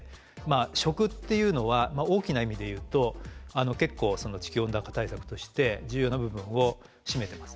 食っていうのは大きな意味で言うと結構地球温暖化対策として重要な部分を占めてます。